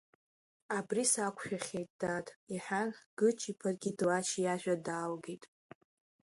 Абри сақәшәахьеит, дад, — иҳәан, Гыҷ-иԥа Гьедлач иажәа даалгеит.